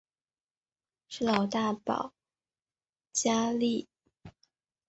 是老大保加利亚建国者一家的氏族。